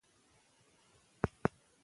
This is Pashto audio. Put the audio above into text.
موږ ټول د یوې ښې ټولنې د جوړولو مسوول یو.